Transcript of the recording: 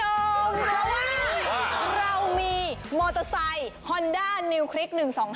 เพราะว่าเรามีมอเตอร์ไซค์ฮอนด้านิวคลิก๑๒๕๖